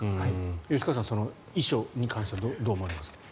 吉川さん、遺書に関してはどう思われますか？